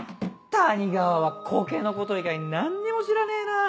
谷川は苔のこと以外何にも知らねえな。